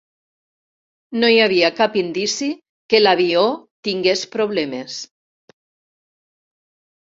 No hi havia cap indici que l'avió tingués problemes.